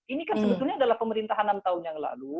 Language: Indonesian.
ini kan sebetulnya adalah pemerintahan enam tahun yang lalu